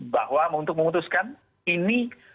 bahwa untuk memutuskan